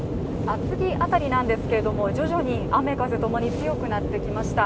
厚木辺りなんですけど、徐々に雨風ともに強くなってきました。